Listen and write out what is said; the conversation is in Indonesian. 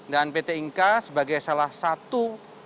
dan pt inka sebagai salah satu